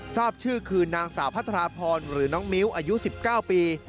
ทราบชื่อคือนางสาวพัฒนาพรหรือน้องมิ้วอายุ๑๙ปี